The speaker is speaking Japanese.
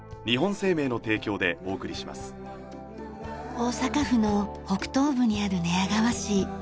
大阪府の北東部にある寝屋川市。